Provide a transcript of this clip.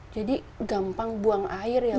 jadi gampang buang air ya bu